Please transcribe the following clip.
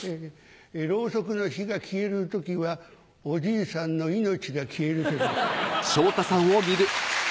ろうそくの火が消える時はおじいさんの命が消える。